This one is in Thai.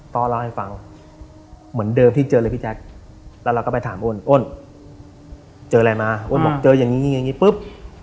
พ่อเล่าให้ฟังเหมือนเดิมที่เจอเลยพี่แจ๊คแล้วเราก็ไปถามอ้นเจออะไรมาอ้นบอกเจออย่างนี้อย่างนี้ปุ๊บ